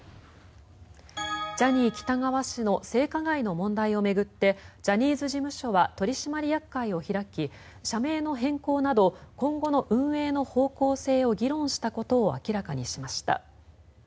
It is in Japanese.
ジャニー喜多川氏の性加害の問題を巡ってジャニーズ事務所は取締役会を開き社名の変更など今後の運営の方向性を議論したことを明らかにしました。